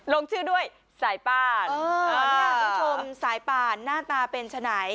ลงชื่อด้วยสายป่านคุณผู้ชมสายป่านหน้าตาเป็นฉะไหน